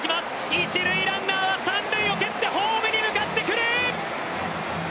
一塁ランナーは三塁を蹴って、ホームに向かってくる。